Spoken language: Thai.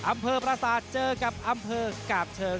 อำเภอปราศาสตร์เจอกับอำเภอกาบเชิง